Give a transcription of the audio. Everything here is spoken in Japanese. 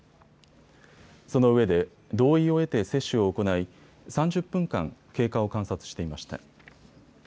そのうえで同意を得て接種を行い３０分間経過を観察していました。